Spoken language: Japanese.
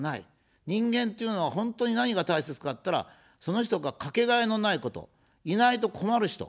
人間っていうのは本当に何が大切かといったら、その人が掛けがえのないこと、いないと困る人。